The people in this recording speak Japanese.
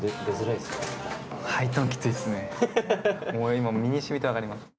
今身に染みて分かります。